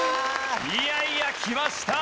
いやいやきました。